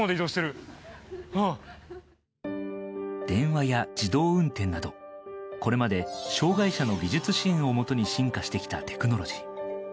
電話や自動運転などこれまで障害者の技術支援を基に進化してきたテクノロジー。